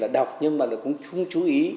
đọc nhưng mà cũng chú ý